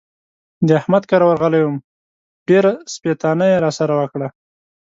د احمد کره ورغلی وم؛ ډېره سپېتانه يې را سره وکړه.